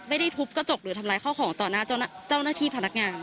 ไม่ได้ทุบกระจกหรือทำร้ายเข้าของต่อหน้าเจ้าหน้าที่พนักงาน